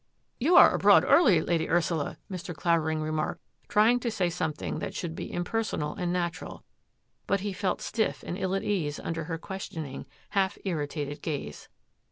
" You are abroad early. Lady Ursula," Mr. Clavering remarked, trying to say something that should be impersonal and natural ; but he felt stiff and ill at ease imder her questioning, half irritated gaze.